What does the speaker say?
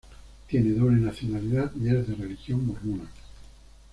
Tiene doble nacionalidad y es de religión mormona.